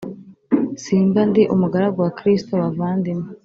simba ndi umugaragu wa Kristo Bavandimwe